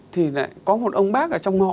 thì lại có một ông bác ở trong họ